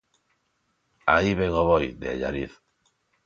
'Aí vén o boi' de Allariz.